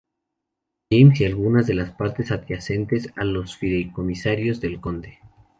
James y algunas de las partes adyacentes a los fideicomisarios del conde.